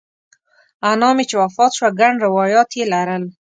انا مې چې وفات شوه ګڼ روایات یې لرل.